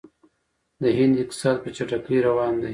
د هند اقتصاد په چټکۍ روان دی.